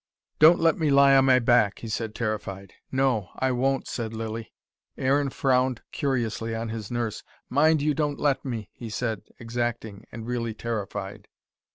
"Don't let me lie on my back," he said, terrified. "No, I won't," said Lilly. Aaron frowned curiously on his nurse. "Mind you don't let me," he said, exacting and really terrified.